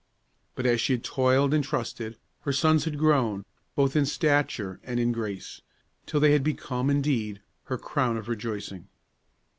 But, as she had toiled and trusted, her sons had grown, both in stature and in grace, till they had become, indeed, her crown of rejoicing.